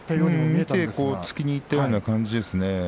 見て突きにいった感じですね。